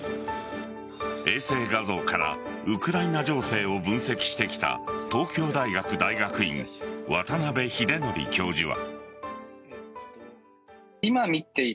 衛星画像からウクライナ情勢を分析してきた東京大学大学院、渡邉英徳教授は。